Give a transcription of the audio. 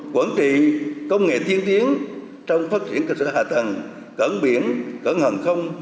quản trị công nghệ tiên tiến trong phát triển cơ sở hạ tầng cẩn biển cẩn hẳn không